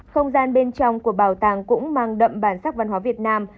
không gian bên trong của bảo tàng cũng mang đậm bản sắc văn hóa việt nam